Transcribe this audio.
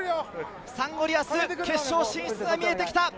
サンゴリアス、決勝進出が見えてきた！